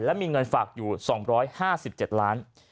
และมีเงินฝากอยู่๒๕๗ล้าน